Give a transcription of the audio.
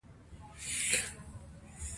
په فېسبوک کې خلک د خپلو کارونو لپاره مشورې اخلي